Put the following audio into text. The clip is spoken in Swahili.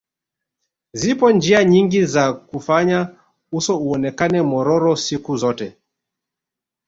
Zipo njia nyingi za kuufanya uso uonekane mororo siku zote